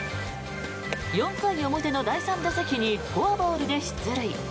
４回表の第３打席にフォアボールで出塁。